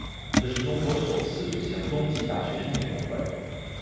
这是中国首次举行冬季大学生运动会。